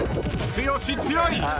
剛強い！］